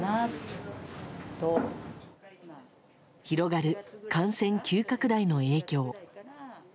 広がる感染急拡大の影響。